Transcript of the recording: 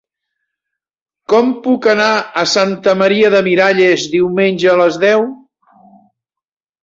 Com puc anar a Santa Maria de Miralles diumenge a les deu?